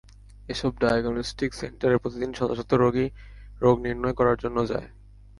এসব ডায়াগনস্টিক সেন্টারে প্রতিদিন শত শত রোগী রোগ নির্ণয় করার জন্য যায়।